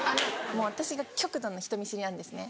もう私が極度の人見知りなんですね。